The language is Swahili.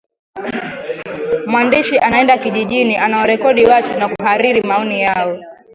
mwandishi anaenda kijijini anawarekodi watu na kuhariri maoni yao